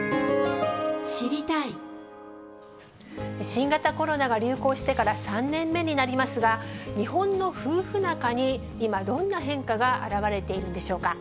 新型コロナが流行してから３年目になりますが、日本の夫婦仲に、今、どんな変化が表れているんでしょうか。